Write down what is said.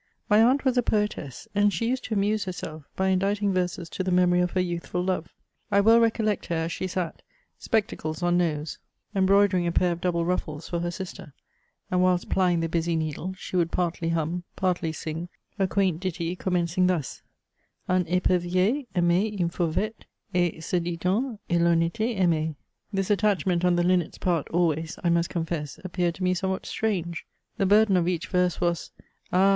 My aunt was a poetess, and she used to amuse herself by inditing verses to the memory of her youthful love. I well recollect her, as she sat, spectacles on nose, — embroidering a pair of double ruffles for her sister, and, whilst plying the busy needle, she would partly hum, partly sing a quaint ditty commencing thus :Un ^pervier aimait une fauvette, Et, ce dit on, il en ^tait aim^." This attachment on the linnet's part always^ I must con fess, appeared to me somewhat strange. The burthen of each verse was :—Ah